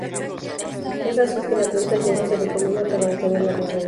Es así, que la planta entera se recomienda para detener la diarrea.